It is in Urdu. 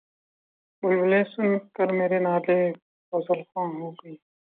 بلبلیں سن کر میرے نالے‘ غزلخواں ہو گئیں